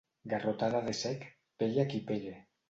Garrotada de cec, pegue a qui pegue.